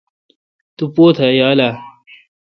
تو پوتھ یال اؘ۔